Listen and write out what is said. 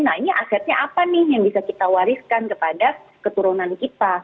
nah ini asetnya apa nih yang bisa kita wariskan kepada keturunan kita